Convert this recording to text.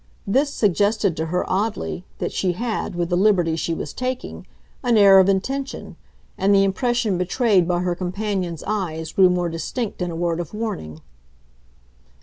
This suggested to her, oddly, that she had, with the liberty she was taking, an air of intention, and the impression betrayed by her companion's eyes grew more distinct in a word of warning.